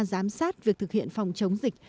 giám sát việc thực hiện phòng chống dịch